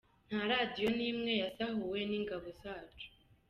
Nta radio n’imwe yasahuwe n’ingabo zacu.